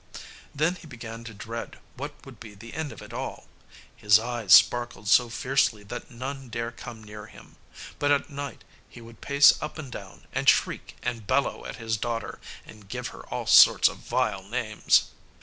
Then he began to dread what would be the end of it all. His eyes sparkled so fiercely that none dare come near him. But at night he would pace up and down, and shriek and bellow at his daughter, and give her all sorts of vile names.